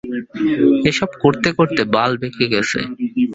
এসব করতে করতে বাল বেঁকে গেছে।